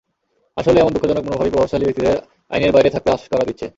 আসলে এমন দুঃখজনক মনোভাবই প্রভাবশালী ব্যক্তিদের আইনের বাইরে থাকতে আশকারা দিচ্ছে।